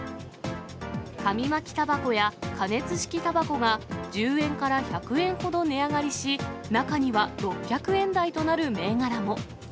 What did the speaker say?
紙巻きたばこや加熱式たばこが、１０円から１００円ほど値上がりし、中には６００円台となる銘柄も。